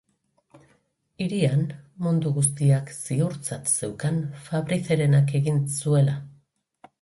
Hirian, mundu guztiak ziurtzat zeukan Fabricerenak egin zuela.